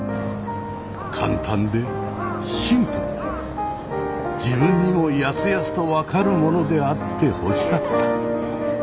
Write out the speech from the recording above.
簡単でシンプルで自分にもやすやすと分かるものであってほしかった。